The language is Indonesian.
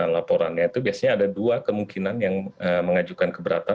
laporannya itu biasanya ada dua kemungkinan yang mengajukan keberatan